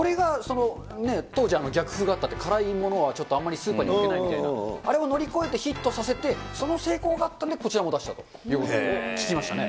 そうです、これが当時逆風があったって、辛いものはちょっとあんまりスーパーに置けないみたいな、あれを乗り越えてヒットさせて、その成功があったんで、こちらも出したということを聞きましたね。